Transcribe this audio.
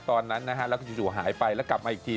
ตอนนั้นนะฮะแล้วก็จู่หายไปแล้วกลับมาอีกที